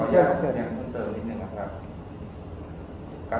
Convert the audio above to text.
เชิญค่ะ